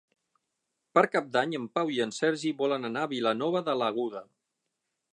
Per Cap d'Any en Pau i en Sergi volen anar a Vilanova de l'Aguda.